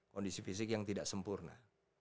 kondisi fisik yang tidak sempurna